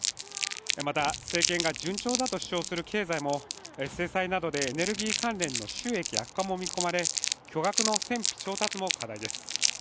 また、政権が順調だと主張する経済も制裁などでエネルギー関連の収益悪化も見込まれ、巨額の戦費調達も課題です。